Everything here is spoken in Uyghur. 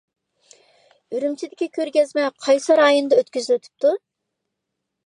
ئۈرۈمچىدىكى كۆرگەزمە قايسى رايوندا ئۆتكۈزۈلۈۋېتىپتۇ؟